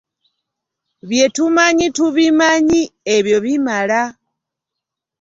Bye tumanyi tubimanyi, Ebyo bimala.